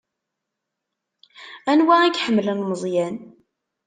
Anwa i iḥemmlen Meẓyan?